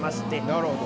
なるほど。